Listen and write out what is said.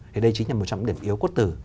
thì đây chính là một trong những điểm yếu cốt tử